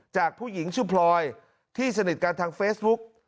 จากผู้หญิงชื่อพลอยที่สนิทกันทางเฟซบุ๊ก